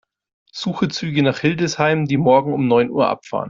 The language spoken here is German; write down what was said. Suche Züge nach Hildesheim, die morgen um neun Uhr abfahren.